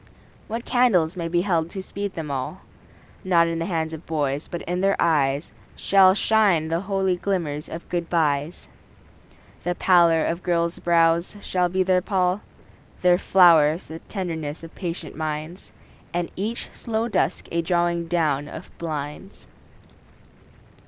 What candles may be held to speed them all? Not in the hands of boys, but in their eyes Shall shine the holy glimmers of good byes. The pallor of girls' brows shall be their pall; Their flowers the tenderness of patient minds, And each slow dusk a drawing down of blinds.